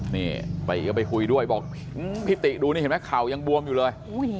นี่ติก็ไปคุยด้วยบอกพี่ติดูนี่เห็นไหมเข่ายังบวมอยู่เลย